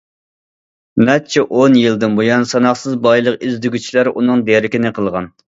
نەچچە ئون يىلدىن بۇيان ساناقسىز بايلىق ئىزدىگۈچىلەر ئۇنىڭ دېرىكىنى قىلغان.